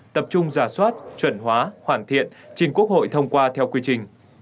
tập trung giả soát chuẩn hóa hoàn thiện trình quốc hội thông qua theo quy trình